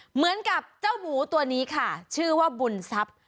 เหมือนกับเจ้าหมูตัวนี้ค่ะชื่อว่าบุญทรัพย์